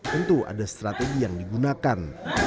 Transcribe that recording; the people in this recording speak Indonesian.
tentu ada strategi yang digunakan